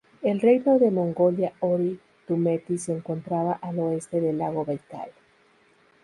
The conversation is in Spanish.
El Reino de Mongolia Hori-Túmety se encontraba al oeste del lago Baikal.